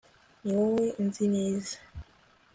niwowe unzi neza